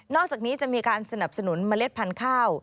อกจากนี้จะมีการสนับสนุนเมล็ดพันธุ์ข้าว